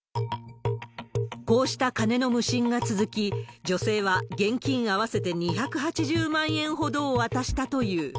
こうした金の無心が続き、女性は現金合わせて２８０万円ほどを渡したという。